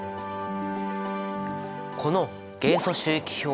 この元素周期表。